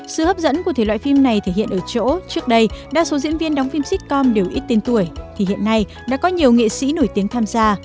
sự hấp dẫn của thể loại phim này thể hiện ở chỗ trước đây đa số diễn viên đóng phim sitcom đều ít tên tuổi thì hiện nay đã có nhiều nghệ sĩ nổi tiếng tham gia